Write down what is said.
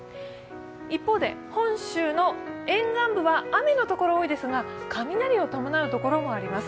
一方で本州の沿岸部は雨のところが多いですが、雷を伴う所もあります。